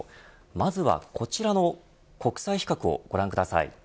まずはこちらの国際比較をご覧ください。